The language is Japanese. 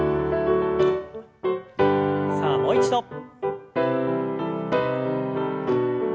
さあもう一度。